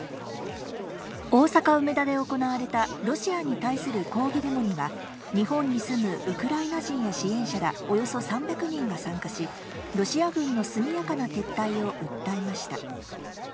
大阪・梅田で行われたロシアに対する抗議デモには、日本に住むウクライナ人や支援者らおよそ３００人が参加し、ロシア軍の速やかな撤退を訴えました。